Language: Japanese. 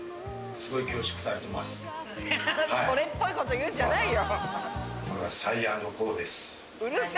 それっぽいこと言うんじゃないよ。